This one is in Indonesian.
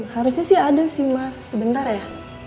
harusnya sih ada sih mas sebentar ya